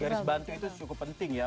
garis bantu itu cukup penting ya